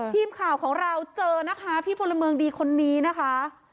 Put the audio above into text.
ทีมข่าวของเราเจอนะคะพี่พลเมืองดีคนนี้นะคะ